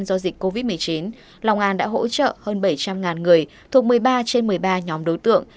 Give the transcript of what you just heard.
do dịch covid một mươi chín lòng an đã hỗ trợ hơn bảy trăm linh người thuộc một mươi ba trên một mươi ba nhóm đối tượng